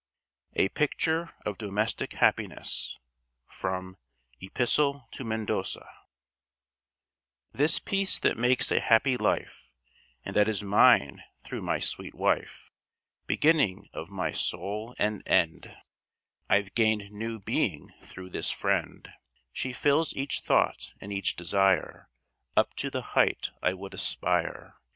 A PICTURE OF DOMESTIC HAPPINESS From 'Epistle to Mendoza' This peace that makes a happy life, And that is mine through my sweet wife; Beginning of my soul, and end, I've gained new being through this friend; She fills each thought and each desire, Up to the height I would aspire.